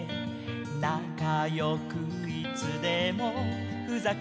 「なかよくいつでもふざけていた」